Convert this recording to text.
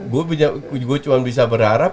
gue cuma bisa berharap